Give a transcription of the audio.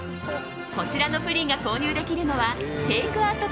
こちらのプリンが購入できるのはテイクアウト